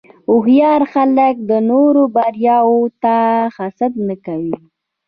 هوښیار خلک د نورو بریاوو ته حسد نه کوي.